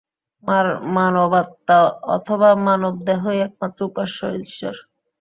মানবাত্মা অথবা মানবদেহই একমাত্র উপাস্য ঈশ্বর।